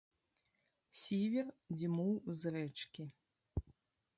Сівер дзьмуў з рэчкі.